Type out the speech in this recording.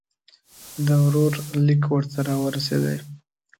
د ورور لیک ورته را ورسېدی.